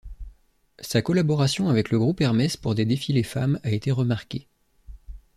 Sa collaboration avec le Groupe Hermès pour des défilés femmes a été remarquée.